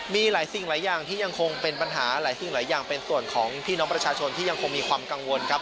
มีหลายสิ่งหลายอย่างที่ยังคงเป็นปัญหาหลายสิ่งหลายอย่างเป็นส่วนของพี่น้องประชาชนที่ยังคงมีความกังวลครับ